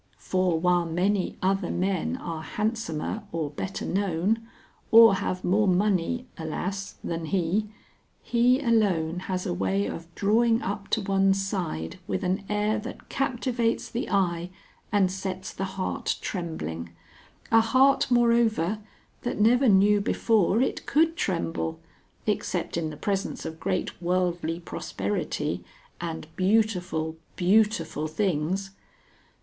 For while many other men are handsomer or better known, or have more money, alas! than he, he alone has a way of drawing up to one's side with an air that captivates the eye and sets the heart trembling, a heart, moreover, that never knew before it could tremble, except in the presence of great worldly prosperity and beautiful, beautiful things.